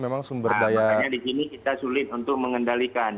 maka di sini kita sulit untuk mengendalikan